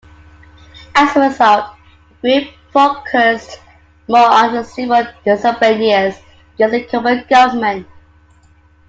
As a result, the group focused more on civil disobedience against the Cuban government.